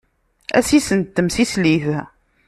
Asissen n temsislit.